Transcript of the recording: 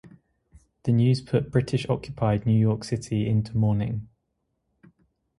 The news put British-occupied New York City into mourning.